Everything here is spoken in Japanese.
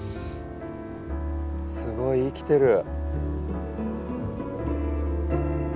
すごい生きてる。